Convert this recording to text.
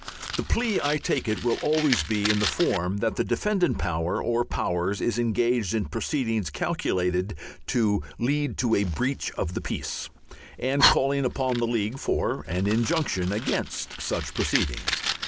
The plea, I take it, will always be in the form that the defendant power or powers is engaged in proceedings "calculated to lead to a breach of the peace," and calling upon the League for an injunction against such proceedings.